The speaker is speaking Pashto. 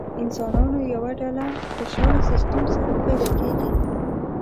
انسانانو یوه ډله خوشاله سیستم سره پیدا کېږي.